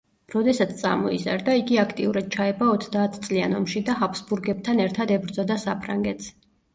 როდესაც წამოიზარდა, იგი აქტიურად ჩაება ოცდაათწლიან ომში და ჰაბსბურგებთან ერთად ებრძოდა საფრანგეთს.